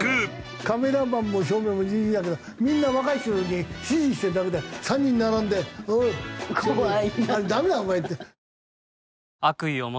カメラマンも照明もジジイだけどみんな若い衆に指示してるだけで３人並んで「おい！ダメだお前」って。